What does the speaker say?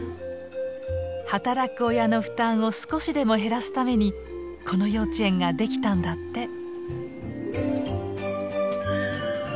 働く親の負担を少しでも減らすためにこの幼稚園ができたんだって。